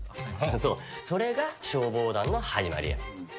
そうそれが消防団の始まりや。